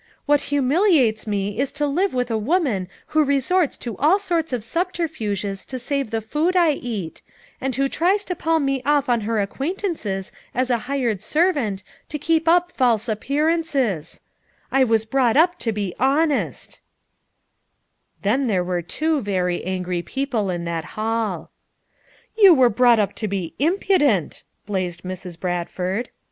What humiliates me is to live with a woman who resorts to all sorts of subterfuges to save the food I eat ; and who tries to palm me off on her acquaintances as a hired servant, to keep up false appearances ; I was brought up to be honest" Then there were two very angry people in that hall. "You were brought up to be impudent," blazed Mrs. Bradford.